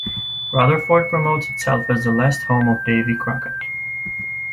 Rutherford promotes itself as the "Last Home of Davy Crockett".